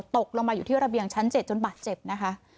ตกลงมาอยู่ที่ระเบียงชั้น๗จนบาดเจ็บนะคะ